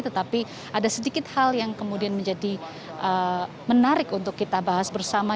tetapi ada sedikit hal yang kemudian menjadi menarik untuk kita bahas bersama